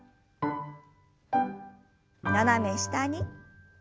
斜め下に。